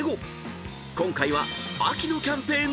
［今回は］